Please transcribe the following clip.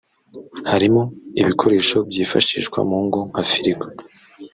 Harimo ibikoresho byifashishwa mu ngo nka firigo